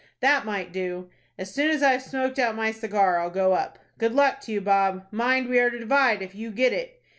"That might do." "As soon as I've smoked out my cigar, I'll go up." "Good luck to you, Bob. Mind we are to divide if you get it."